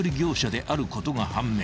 ［であることが判明］